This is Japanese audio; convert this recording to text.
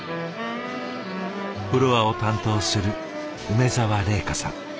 フロアを担当する梅沢怜加さん。